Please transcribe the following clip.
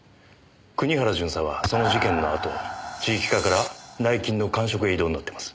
国原巡査はその事件のあと地域課から内勤の閑職へ異動になってます。